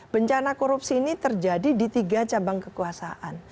bencana korupsi ini terjadi di tiga cabang kekuasaan